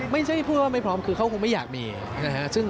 ไม่ใช่พูดว่าไม่พร้อมคือเขาคงไม่อยากมีนะฮะ